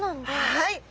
はい。